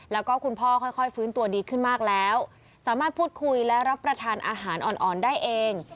แล้วก็คุณพ่อค่อยฟื้นตัวดีขึ้นมากแล้วสามารถพูดคุยและรับประทานอาหารอ่อนได้เอง